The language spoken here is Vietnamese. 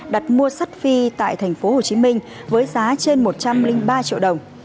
đặt mua sát phi tại thành phố hồ chí minh với giá trên một trăm linh ba triệu đồng